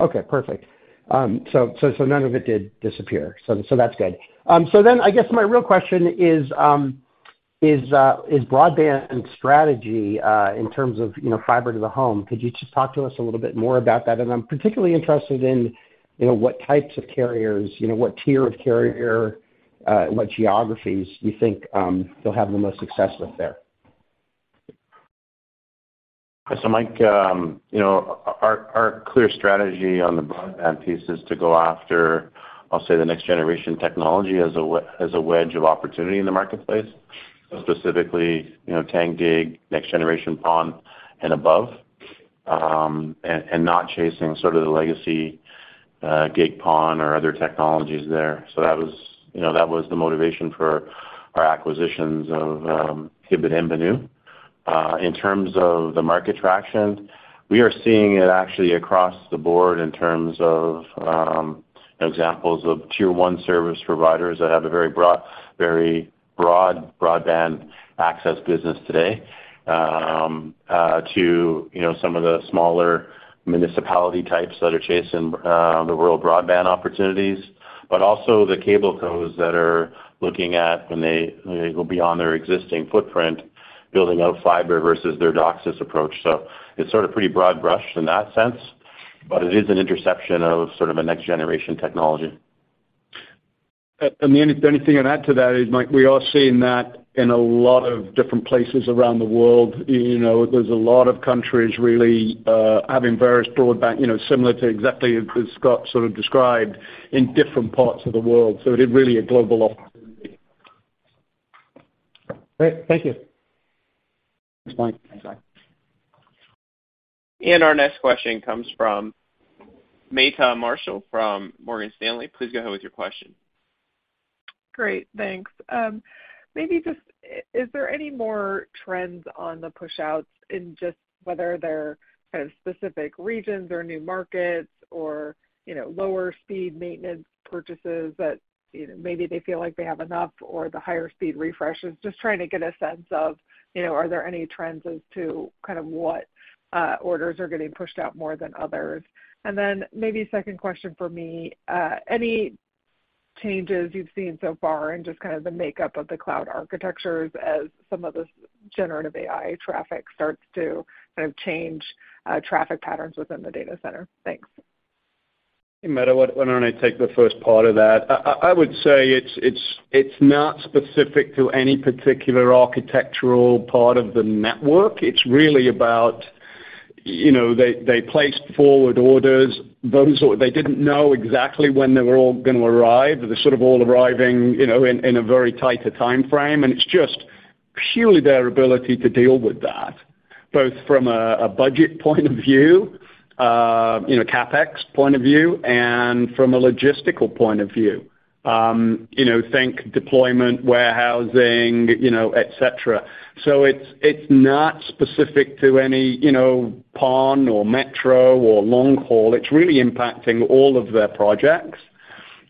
Okay, perfect. So none of it did disappear. So that's good. I guess my real question is broadband and strategy, in terms of, you know, fiber to the home, could you just talk to us a little bit more about that? I'm particularly interested in, you know, what types of carriers, you know, what tier of carrier, what geographies you think they'll have the most success with there? Mike, you know, our clear strategy on the broadband piece is to go after, I'll say, the next generation technology as a wedge of opportunity in the marketplace. Specifically, you know, 10 gig, next generation PON and above, and not chasing sort of the legacy, gig PON or other technologies there. That was, you know, that was the motivation for our acquisitions of, Tibit and Benu. In terms of the market traction, we are seeing it actually across the board in terms of examples of Tier 1 service providers that have a very broad broadband access business today, to, you know, some of the smaller municipality types that are chasing the rural broadband opportunities, but also the cablecos that are looking at when they go beyond their existing footprint, building out fiber versus their DOCSIS approach. It's sort of pretty broad brushed in that sense, but it is an interception of sort of a next-generation technology. The only, the only thing I'd add to that is, Mike, we are seeing that in a lot of different places around the world. You know, there's a lot of countries really, having various broadband, you know, similar to exactly as Scott sort of described, in different parts of the world. It is really a global opportunity. Great. Thank you. Thanks, Mike. Thanks, Mike. Our next question comes from Meta Marshall from Morgan Stanley. Please go ahead with your question. Great, thanks. Maybe just, is there any more trends on the pushouts in just whether they're kind of specific regions or new markets or, you know, lower speed maintenance purchases that, you know, maybe they feel like they have enough or the higher speed refreshes? Just trying to get a sense of, you know, are there any trends as to kind of what orders are getting pushed out more than others? Maybe a second question for me, any changes you've seen so far in just kind of the makeup of the cloud architectures as some of the generative AI traffic starts to kind of change traffic patterns within the data center? Thanks. Hey, Meta, why don't I take the first part of that? I would say it's not specific to any particular architectural part of the network. It's really about, you know, they placed forward orders, those they didn't know exactly when they were all going to arrive, they're sort of all arriving, you know, in a very tighter timeframe. It's just purely their ability to deal with that, both from a budget point of view, you know, CapEx point of view, and from a logistical point of view. You know, think deployment, warehousing, you know, et cetera. It's not specific to any, you know, PON or metro or long haul. It's really impacting all of their projects,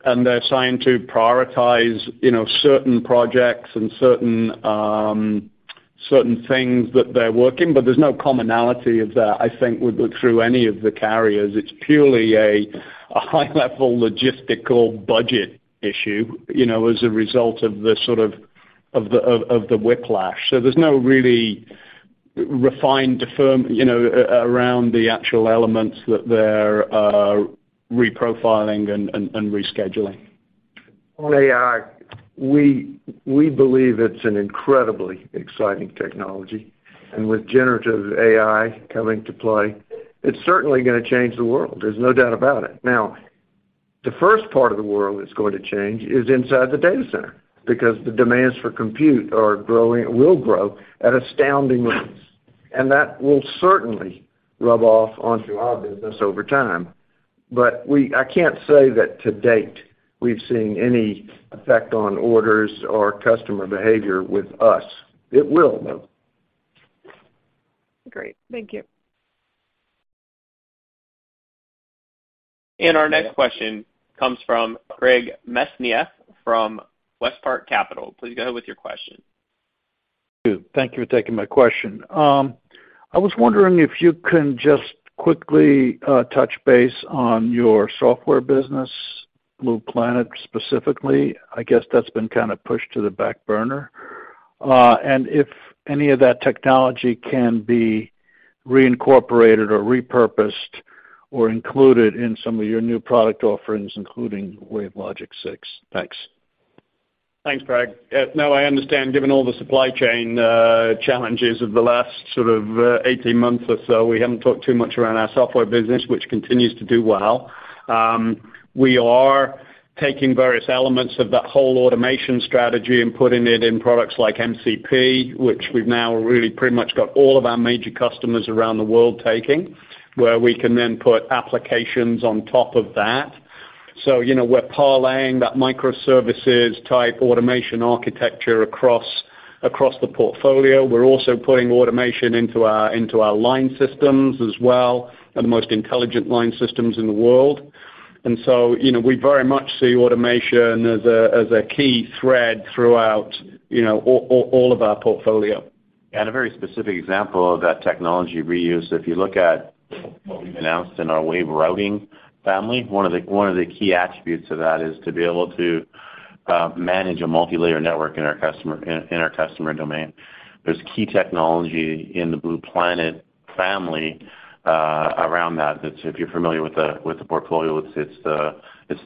and they're trying to prioritize, you know, certain projects and certain things that they're working, but there's no commonality of that, I think, with, through any of the carriers. It's purely a high-level logistical budget issue, you know, as a result of the sort of the whiplash. There's no really refined firm, you know, around the actual elements that they're reprofiling and rescheduling. On AI, we believe it's an incredibly exciting technology. With generative AI coming to play, it's certainly going to change the world. There's no doubt about it. Now, the first part of the world that's going to change is inside the data center, because the demands for compute are growing, will grow at astounding rates, and that will certainly rub off onto our business over time. I can't say that to date, we've seen any effect on orders or customer behavior with us. It will, though. Great. Thank you. Our next question comes from Greg Mesniaeff from WestPark Capital. Please go ahead with your question. Thank you. Thank you for taking my question. I was wondering if you can just quickly touch base on your software business, Blue Planet, specifically. I guess that's been kind of pushed to the back burner. If any of that technology can be reincorporated or repurposed or included in some of your new product offerings, including WaveLogic 6. Thanks. Thanks, Greg. No, I understand, given all the supply chain challenges of the last sort of 18 months or so, we haven't talked too much around our software business, which continues to do well. We are taking various elements of that whole automation strategy and putting it in products like MCP, which we've now really pretty much got all of our major customers around the world taking, where we can then put applications on top of that. You know, we're parlaying that microservices-type automation architecture across the portfolio. We're also putting automation into our line systems as well, and the most intelligent line systems in the world. You know, we very much see automation as a key thread throughout all of our portfolio. A very specific example of that technology reuse, if you look at what we've announced in our WaveRouter family, one of the key attributes of that is to be able to manage a multilayer network in our customer domain. There's key technology in the Blue Planet.... family, around that if you're familiar with the portfolio, it's the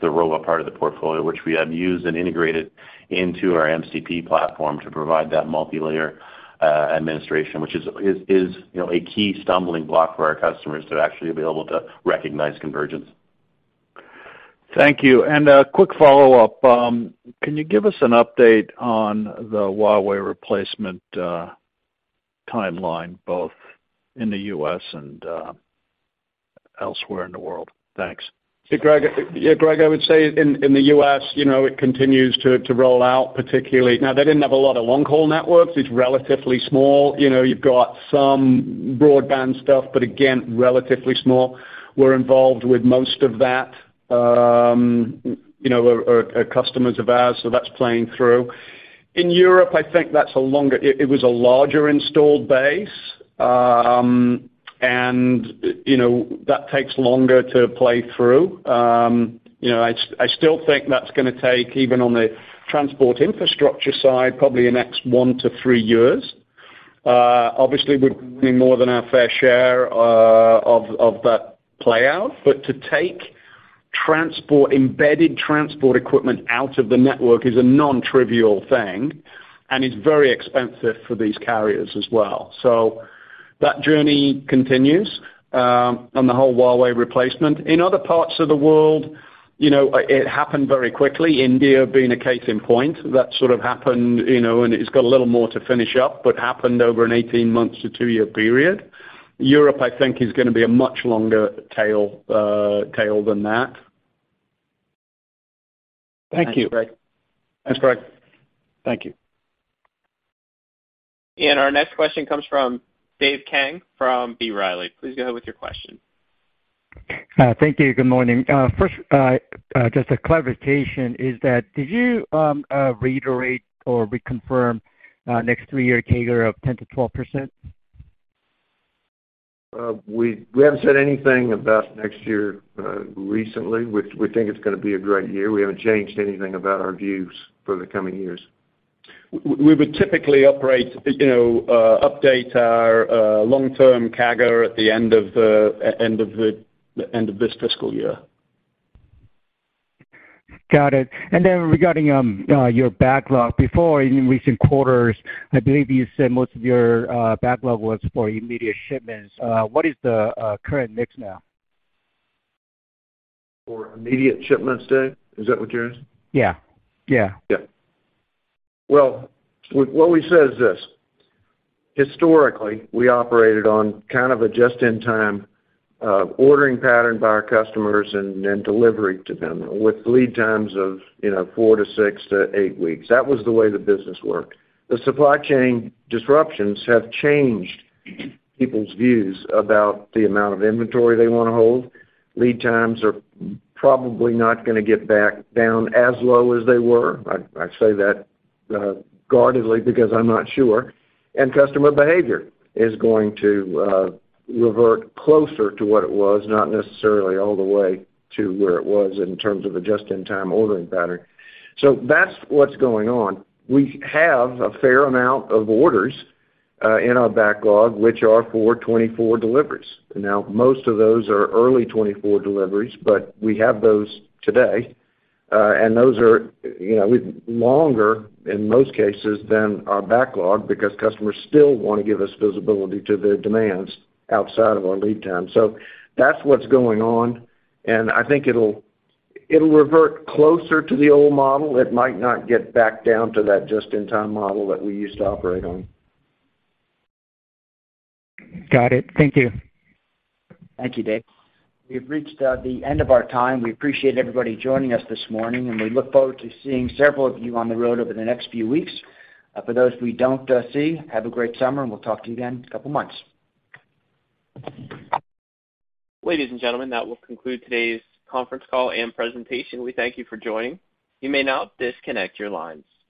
RoBo part of the portfolio, which we have used and integrated into our MCP platform to provide that multilayer administration, which is, you know, a key stumbling block for our customers to actually be able to recognize convergence. Thank you. A quick follow-up. Can you give us an update on the Huawei replacement timeline, both in the U.S. and elsewhere in the world? Thanks. Greg, I would say in the U.S., you know, it continues to roll out. Now, they didn't have a lot of long-haul networks. It's relatively small. You know, you've got some broadband stuff, but again, relatively small. We're involved with most of that, you know, are customers of ours, that's playing through. In Europe, I think that's a longer. It was a larger installed base, you know, that takes longer to play through. You know, I still think that's gonna take, even on the transport infrastructure side, probably the next one to three years. Obviously, we're more than our fair share of that playout. To take transport, embedded transport equipment out of the network is a nontrivial thing, and it's very expensive for these carriers as well. That journey continues, on the whole Huawei replacement. In other parts of the world, you know, it happened very quickly. India being a case in point, that sort of happened, you know, and it's got a little more to finish up, but happened over an 18 months to two-year period. Europe, I think, is gonna be a much longer tail than that. Thank you. Thanks, Greg. Thanks, Greg. Thank you. Our next question comes from Dave Kang from B. Riley. Please go ahead with your question. Thank you. Good morning. First, just a clarification, is that did you reiterate or reconfirm next three-year CAGR of 10%-12%? We haven't said anything about next year, recently. We think it's gonna be a great year. We haven't changed anything about our views for the coming years. We would typically operate, you know, update our long-term CAGR at the end of this fiscal year. Got it. Then regarding your backlog. Before, in recent quarters, I believe you said most of your backlog was for immediate shipments. What is the current mix now? For immediate shipments, Dave? Is that what you're asking? Yeah, yeah. Yeah. Well, what we said is this: historically, we operated on kind of a just-in-time ordering pattern by our customers and delivering to them with lead times of, you know, four to six to eight weeks. That was the way the business worked. The supply chain disruptions have changed people's views about the amount of inventory they want to hold. Lead times are probably not gonna get back down as low as they were. I say that guardedly because I'm not sure. Customer behavior is going to revert closer to what it was, not necessarily all the way to where it was in terms of a just-in-time ordering pattern. That's what's going on. We have a fair amount of orders in our backlog, which are for 2024 deliveries. Most of those are early 2024 deliveries, but we have those today. Those are, you know, longer in most cases than our backlog, because customers still want to give us visibility to their demands outside of our lead time. That's what's going on, and I think it'll revert closer to the old model. It might not get back down to that just-in-time model that we used to operate on. Got it. Thank you. Thank you, Dave. We've reached the end of our time. We appreciate everybody joining us this morning, and we look forward to seeing several of you on the road over the next few weeks. For those we don't see, have a great summer, and we'll talk to you again in a couple of months. Ladies and gentlemen, that will conclude today's conference call and presentation. We thank you for joining. You may now disconnect your lines.